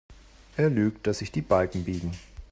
Er lügt, dass sich die Balken biegen.